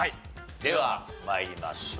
では参りましょう。